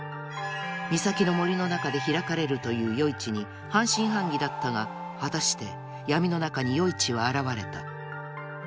［岬の森の中で開かれるという夜市に半信半疑だったが果たして闇の中に夜市は現れた］